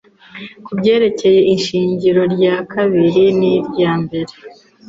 kubyerekeye ishingiro rya kabiri niryambere